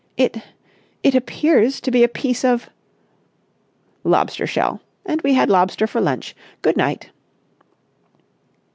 "It—it appears to be a piece of...." "Lobster shell. And we had lobster for lunch. Good night."